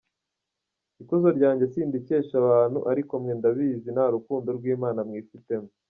Ikuzo ryanjye sindikesha abantu; ariko mwe ndabizi: Nta rukundo rw’Imana mwifitemo.